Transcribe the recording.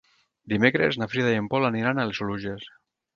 Dimecres na Frida i en Pol aniran a les Oluges.